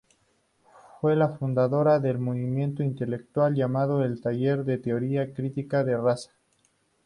Fue la fundadora del movimiento intelectual llamado el Taller de Teoría Crítica de Raza.